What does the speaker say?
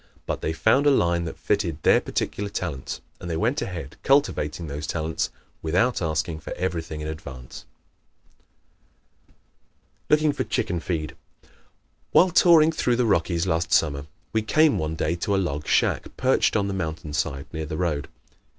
But they found a line that fitted their particular talents, and they went ahead cultivating those talents without asking for everything in advance. Looking for "Chicken Feed" ¶ While touring through the Rockies last summer we came one day to a log shack perched on the mountain side near the road.